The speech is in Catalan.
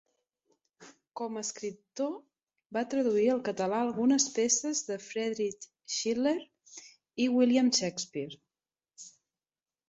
Com a escriptor va traduir al català algunes peces de Friedrich Schiller i William Shakespeare.